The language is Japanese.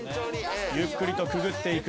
ゆっくりとくぐっていく。